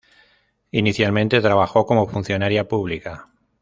Inicialmente trabajó como funcionaria pública.